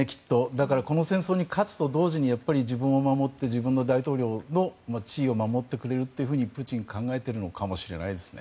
だからこの戦争に勝つと同時に自分も守って自分の大統領の地位を守ってくれるとプーチンは考えているのかもしれないですね。